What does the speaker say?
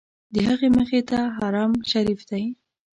د هغې مخې ته حرم شریف دی.